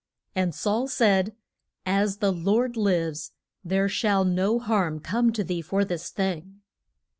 And Saul said, As the Lord lives there shall no harm come to thee for this thing.